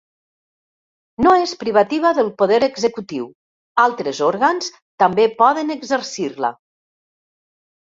No és privativa del poder executiu, altres òrgans també poden exercir-la.